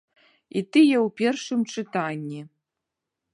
І тыя ў першым чытанні.